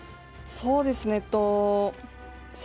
そうですね。